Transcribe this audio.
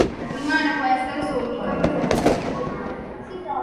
Rimane questa la sua unica presenza stagionale.